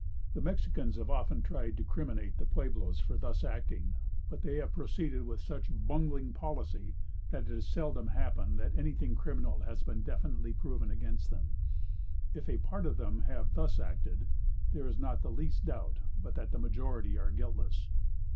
The Mexicans have often tried to criminate the Pueblos for thus acting; but they have proceeded with such bungling policy, that it has seldom happened that anything criminal has been definitely proven against them. If a part of them have thus acted, there is not the least doubt but that the majority are guiltless.